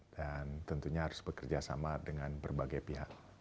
dan tentunya harus bekerja sama dengan berbagai pihak